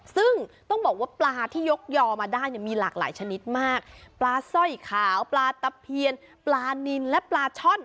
ซึ่งต้องบอกว่าปลาที่ยกยอมาได้เนี่ยมีหลากหลายชนิดมากปลาสร้อยขาวปลาตะเพียนปลานินและปลาช่อน